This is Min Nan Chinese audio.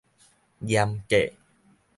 嚴格